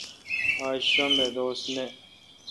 آج شنب دوس نہ۔